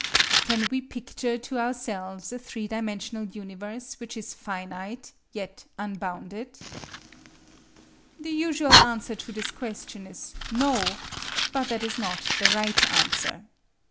Can we picture to ourselves a three dimensional universe which is finite, yet unbounded? The usual answer to this question is "No," but that is not the right answer.